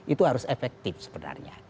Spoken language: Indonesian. itu harus efektif sebenarnya